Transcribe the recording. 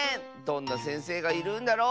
どんなせんせいがいるんだろ？